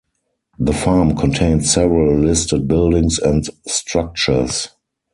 The farm contains several listed buildings and structures.